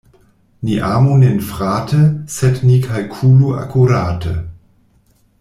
Ni amu nin frate, sed ni kalkulu akurate.